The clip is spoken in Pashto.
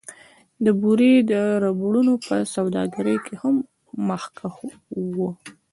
د بورې او ربړونو په سوداګرۍ کې هم مخکښ و